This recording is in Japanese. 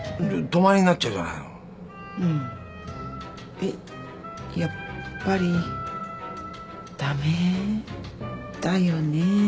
えっやっぱり駄目だよね。